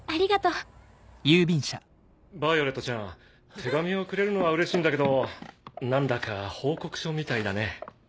手紙をくれるのはうれしいんだけど何だか報告書みたいだね。